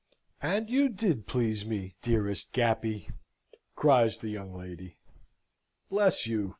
"And you did please me, dearest Gappy!" cries the young lady. "Bless you!